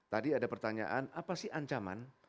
tadi ada pertanyaan apa sih ancaman